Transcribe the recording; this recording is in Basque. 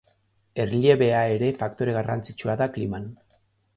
Erliebea ere faktore garrantzitsua da kliman.